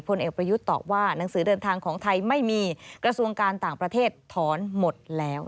เอกประยุทธ์ตอบว่าหนังสือเดินทางของไทยไม่มีกระทรวงการต่างประเทศถอนหมดแล้ว